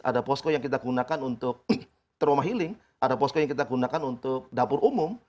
ada posko yang kita gunakan untuk trauma healing ada posko yang kita gunakan untuk dapur umum